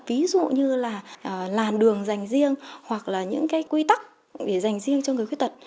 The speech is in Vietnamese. ví dụ như là làn đường dành riêng hoặc là những cái quy tắc để dành riêng cho người khuyết tật